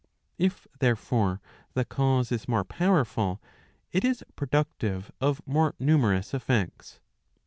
If, therefore, the cause is more powerful, it is productive of more numerous effects.